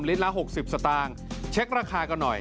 ละ๖๐สตางค์เช็คราคากันหน่อย